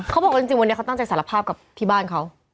เขาบอกว่าจริงวันนี้เขาตั้งใจสารภาพกับที่บ้านเขา